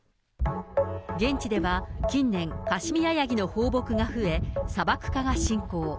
現地では近年、カシミヤヤギの放牧が増え、砂漠化が進行。